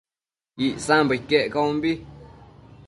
Icsambo iquec caunbi